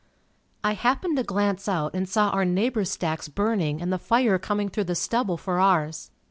I happened to glance out and saw our neighbor's stacks burning and the fire coming through the stubble for ours.